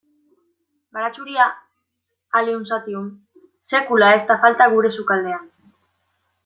Baratxuria, Allium sativum, sekula ez da falta gure sukaldean.